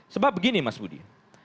sebab begini mas budi